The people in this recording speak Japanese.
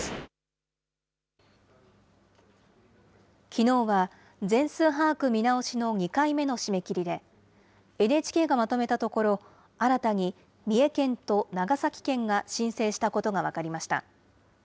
きのうは全数把握見直しの２回目の締め切りで、ＮＨＫがまとめたところ、新たに三重県と長崎県が申請したことが分かりました。